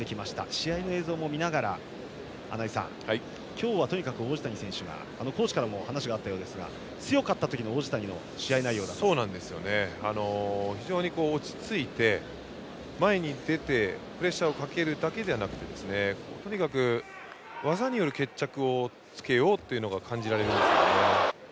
試合映像も見ながら穴井さん、今日はとにかく王子谷選手コーチからも話があったようですが強かった時の王子谷の非常に落ち着いて前に出てプレッシャーをかけるだけじゃなくてとにかく技による決着をつけようというのを感じられました。